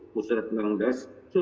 khusus rencana pembangunan desa khusus